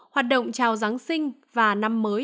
hoạt động chào giáng sinh và năm mới